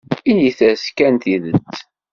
Init-as kan tidet.